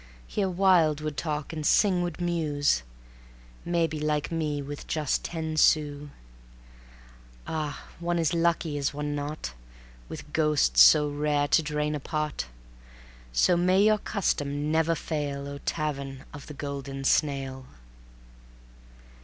Here Wilde would talk and Synge would muse, Maybe like me with just ten sous. Ah! one is lucky, is one not? With ghosts so rare to drain a pot! So may your custom never fail, O Tavern of the Golden Snail!